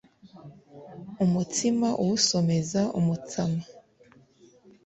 umutsima uwusomeza umutsama